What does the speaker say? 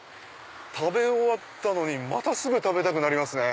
食べ終わったのにまたすぐ食べたくなりますね。